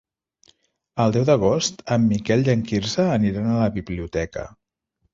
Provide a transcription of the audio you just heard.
El deu d'agost en Miquel i en Quirze aniran a la biblioteca.